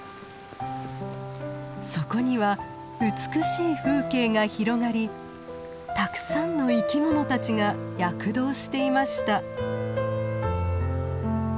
そこには美しい風景が広がりたくさんの生き物たちが躍動していました。